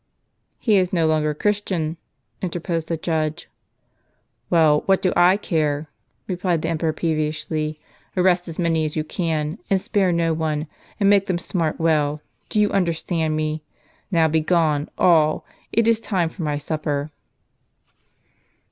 " He is no longer a Christian," interposed the judge. "Well, what do I care?" replied the emperor peevishly ;" arrest as many as you can, and spare no one, and make them smart well ; do you understand me ? Now begone, all ; it is time for my supper."